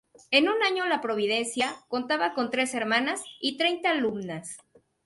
En un año la Providencia contaba con tres hermanas y treinta alumnas.